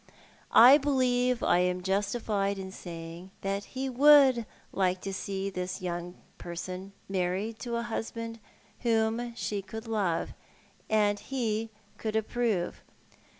I believe I am justified in saying that he would like to see this young person married to a husband whom she could love, and he could approve.